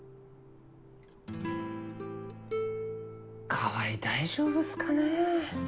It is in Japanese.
川合大丈夫っすかね。